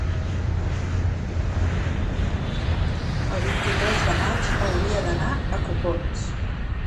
el vint-i-tres de maig hauria d'anar a Copons.